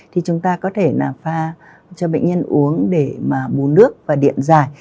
thì chúng ta có thể là pha cho bệnh nhân uống để mà bù nước và điện dài